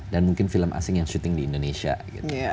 dan mungkin film asing yang syuting di indonesia gitu